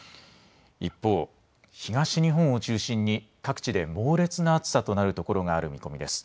一方、東日本を中心に各地で猛烈な暑さとなるところがある見込みです。